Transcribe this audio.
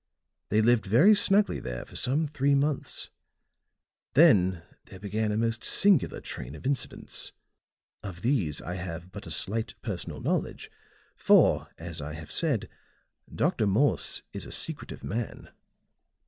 They lived very snugly there for some three months; then there began a most singular train of incidents. Of these I have but a slight personal knowledge, for, as I have said, Dr. Morse is a secretive man.